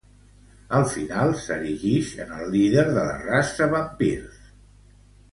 Al final, s'erigix en el líder de la raça vampirs.